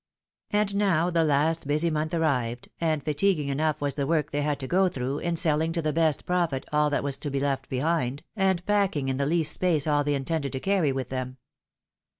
And now the last busy month arrived, and fatiguing enough was the work they had to go through, in selling to the best profit all that was to be left behind, and packing in the least space all they intended to parry with them.